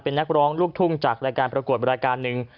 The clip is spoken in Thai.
เป็นนักร้องลูกทุ่งจากรายการประกวดรายการหนึ่ง